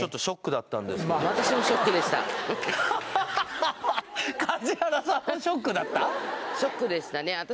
ショックでしたね